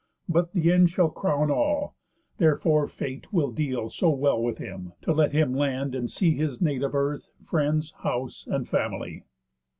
But th' end shall crown all; therefore Fate will deal So well with him, to let him land, and see His native earth, friends, house, and family."